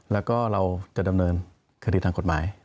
แล้วก็เราจะดำเนินคดีทางกฎหมาย